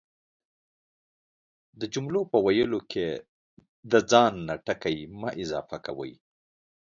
د جملو په ويلو کی دا ځان نه ټکي مه اضافه کوئ،